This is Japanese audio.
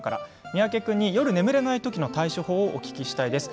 三宅君に夜眠れない時の対処法をお聞きしたいです。